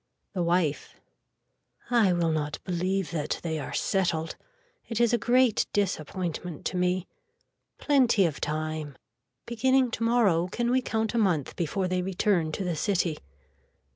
(The wife.) I will not believe that they are settled. It is a great disappointment to me. Plenty of time. Beginning tomorrow can we count a month before they return to the city.